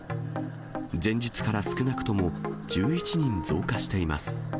前日から少なくとも１１人増加しています。